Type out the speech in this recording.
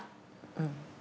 うん。